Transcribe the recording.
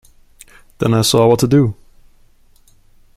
Then I saw what to do.